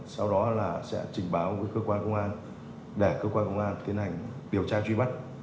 sau đó là sẽ trình báo với cơ quan công an để cơ quan công an tiến hành điều tra truy bắt